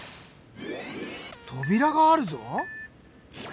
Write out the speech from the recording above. とびらがあるぞ？